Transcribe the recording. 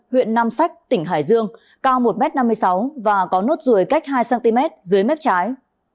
huyện nam sách tỉnh hải dương cao một m năm mươi sáu và có nốt ruồi cách hai cm dưới mép trái